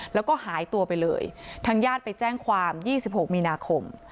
แล้วก็หายตัวไปเลยทางญาติไปแจ้งความ๒๖มีนาคม